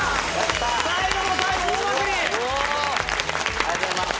ありがとうございます。